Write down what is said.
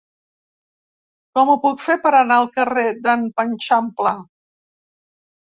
Com ho puc fer per anar al carrer d'en Panxampla?